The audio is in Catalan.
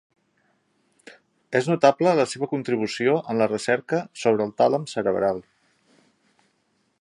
És notable la seva contribució en la recerca sobre el tàlem cerebral.